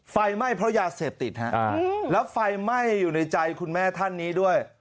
ไฟไหม้เพราะยาเสพติดฮะแล้วไฟไหม้อยู่ในใจคุณแม่ท่านนี้ด้วย